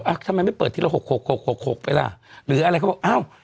ทำไมไม่เปิดทีละหกหกหกหกหกไปล่ะหรืออะไรเขาบอกอ้าว